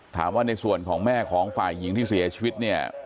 ถามว่าในส่วนของแม่ของฝ่ายหญิงที่เสียชีวิตเนี่ย